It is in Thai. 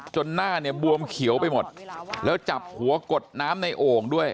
หน้าเนี่ยบวมเขียวไปหมดแล้วจับหัวกดน้ำในโอ่งด้วย